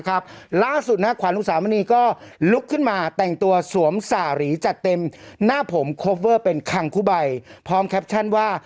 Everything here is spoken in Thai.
เขาสร้างเมืองมาหนึ่งเมืองเลยอ่ะ